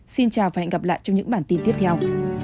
xin chào và hẹn gặp lại trong những bản tin tiếp theo